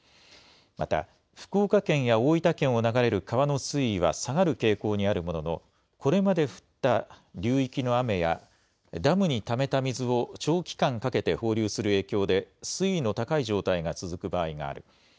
また、福岡県や大分県を流れる川の水位は下がる傾向にあるものの、これまで降った流域の雨や、ダムにためた水を長期間かけて放流する影響で、水位の高い状態が続く場合がある。